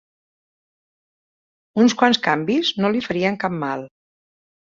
Uns quants canvis no li farien cap mal.